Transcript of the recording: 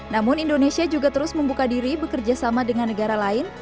namun indonesia juga terus membuka diri bekerja sama dengan negara lain